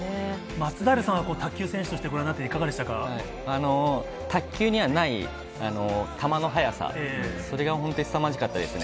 松平さん、卓球選手としては卓球にはない球の速さ、それが本当にすさまじかったですね。